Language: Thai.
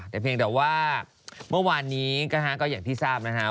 แต่เพียงแต่ว่าเมื่อวานนี้ก็อย่างที่ทราบนะฮะ